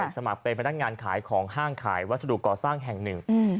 สมัครเป็นพนักงานขายของห้างขายวัสดุก่อสร้างแห่งหนึ่ง